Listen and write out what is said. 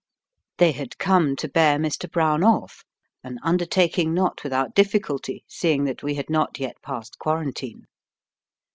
They had come to bear Mr. Brown off, an undertaking not without difficulty, seeing that we had not yet passed quarantine.